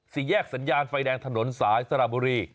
สี่แยกสัญญาณไฟแดงถนนสายสระบุรี